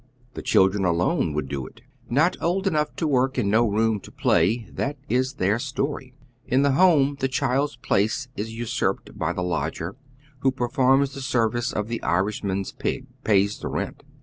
The children alone would do it. Kot old enough to work and no room for play, that is their story. In the home the child's place is usurped by the lodger, who performs the service of the Irishman's pig — pays the rent.